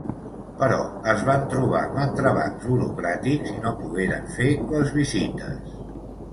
Però es van trobar amb entrebancs burocràtics i no pogueren fer les visites.